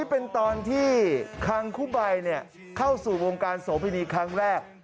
ก็แรงเข้าสู่วงการโสเฟนีครั้งแรก